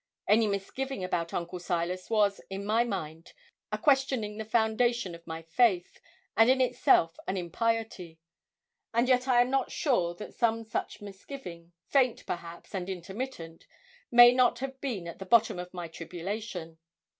Any misgiving about Uncle Silas was, in my mind, a questioning the foundations of my faith, and in itself an impiety. And yet I am not sure that some such misgiving, faint, perhaps, and intermittent, may not have been at the bottom of my tribulation.